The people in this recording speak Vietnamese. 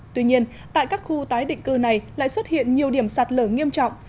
tuy nhiên tại các khu tái định cư này lại xuất hiện nhiều điểm sạt lở nghiêm trọng